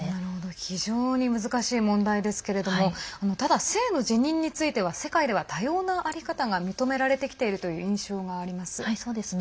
非常に難しい問題ですけれどもただ、性の自認については世界では多様な在り方が認められてきているという印象があります。